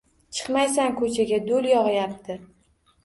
Chiqmaysan, ko`chada do`l yog`ayapti